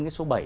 cái số bảy